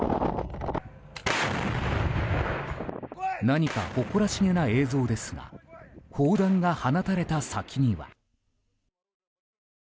何か誇らしげな映像ですが砲弾が放たれた先には。